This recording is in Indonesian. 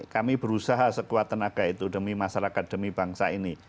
kami berusaha sekuat tenaga itu demi masyarakat demi bangsa ini